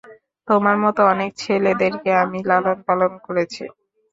তোমার মত অনেক ছেলেদেরকে আমি লালন পালন করেছি।